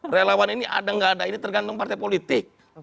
relawan ini ada nggak ada ini tergantung partai politik